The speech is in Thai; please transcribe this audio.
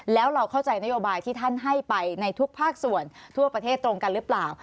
แล้วเราเข้าใจนโยบายที่ท่านให้ไปในทุกภาคส่วนทั่วประเทศตรงกันหรือเปล่า